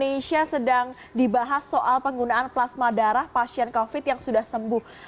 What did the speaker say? ada banyak yang sedang dibahas soal penggunaan plasma darah pasien covid yang sudah sembuh